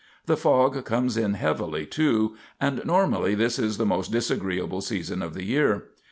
The fog comes in heavily, too; and normally this is the most disagreeable season of the year.